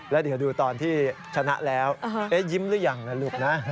แล้วเดี๋ยวดูตอนที่ชนะแล้วยิ้มหรือยังนะลูกนะ